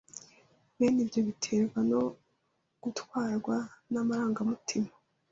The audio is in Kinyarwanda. Bene ibyo biterwa no gutwarwa n’amarangamutima